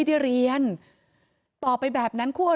เหตุการณ์เกิดขึ้นแถวคลองแปดลำลูกกา